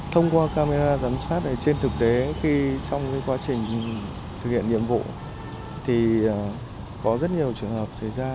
thông qua camera giám sát trên thực tế trong quá trình thực hiện nhiệm vụ thì có rất nhiều trường hợp xảy ra